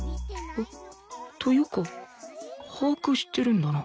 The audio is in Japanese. というか把握してるんだな